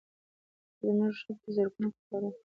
زموږ ژبه د زرګونو کلونو تاریخ لري.